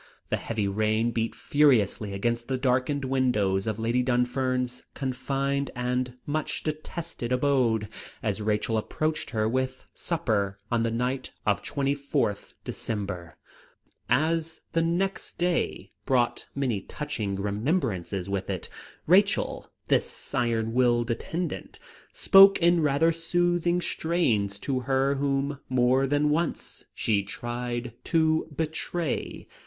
The heavy rain beat furiously against the darkened window of Lady Dunfern's confined and much detested abode as Rachel approached her with supper on the night of 24th December. As the next day brought many touching remembrances with it, Rachel, this iron willed attendant, spoke in rather soothing strains to her whom more than once she tried to betray.